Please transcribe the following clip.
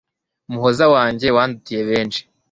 muhoza wanjye wandutiye benshi